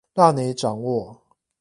讓你掌握